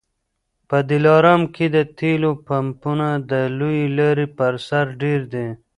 په دلارام کي د تېلو پمپونه د لويې لارې پر سر ډېر دي